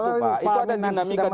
kalau pak amin sudah mendatang kpu